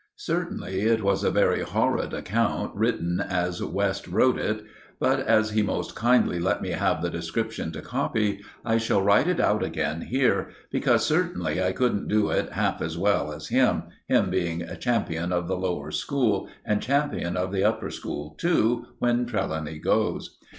Certainly it was a very horrid account written as West wrote it; but as he most kindly let me have the description to copy, I shall write it out again here; because certainly I couldn't do it half so well as him—him being champion of the lower school, and champion of the upper school, too, when Trelawny goes.